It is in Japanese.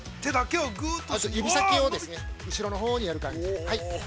◆指先を後ろのほうにやる感じ。